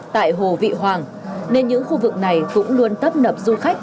tại hồ vị hoàng nên những khu vực này cũng luôn tấp nập du khách